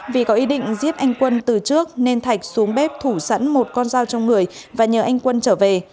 vì có ý định giết anh quân từ trước nên thạch xuống bếp thủ sẵn một con dao trong người và nhờ anh quân trở về